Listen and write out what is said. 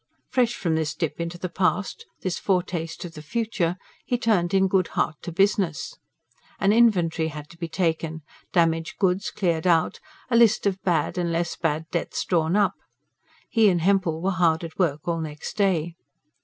Fresh from this dip into the past, this foretaste of the future, he turned in good heart to business. An inventory had to be taken; damaged goods cleared out; a list of bad and less bad debts drawn up: he and Hempel were hard at work all next day.